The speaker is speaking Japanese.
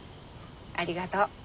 ありがとう。